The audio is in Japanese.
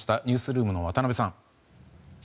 ニュースルームの渡辺さん。